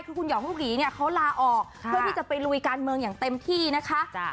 คือคุณหองลูกหลีเนี่ยเขาลาออกเพื่อที่จะไปลุยการเมืองอย่างเต็มที่นะคะ